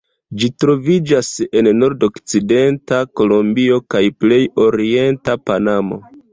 Ĝi troviĝas en nordokcidenta Kolombio kaj plej orienta Panamo.